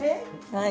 はい。